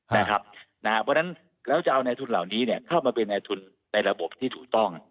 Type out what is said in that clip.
เพราะฉะนั้นแล้วจะเอาในทุนเหล่านี้เข้ามาเป็นในทุนในระบบที่ถูกต้อง